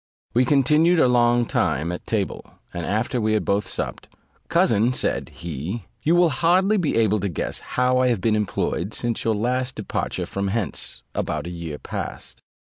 We continued a long time at table, and after we had both supped; "Cousin," said he, "you will hardly be able to guess how I have been employed since your last departure from hence, about a year past.